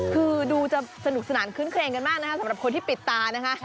คือดูจะสนุกสนานคื้นเครงกันมากนะคะสำหรับคนที่ปิดตานะคะ